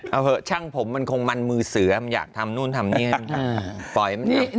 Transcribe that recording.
เอาเถอะช่างผมมันคงมันมือเสือมันอยากทำนู่นทำนี่